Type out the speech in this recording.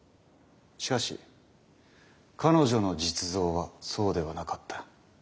しかし彼女の実像はそうではなかった。